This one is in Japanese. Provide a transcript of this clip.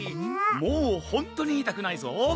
もうほんとにいたくないぞ！